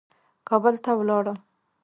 کابل ته ولاړم.